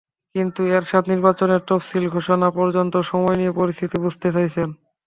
কিন্তু এরশাদ নির্বাচনের তফসিল ঘোষণা পর্যন্ত সময় নিয়ে পরিস্থিতি বুঝতে চাইছেন।